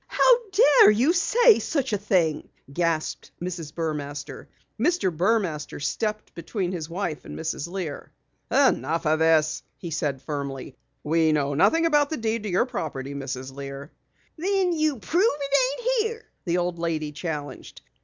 "How dare you say such a thing!" gasped Mrs. Burmaster. Mr. Burmaster stepped between his wife and Mrs. Lear. "Enough of this!" he said firmly, "We know nothing about the deed to your property, Mrs. Lear." "Then prove that it ain't here!" the old lady challenged.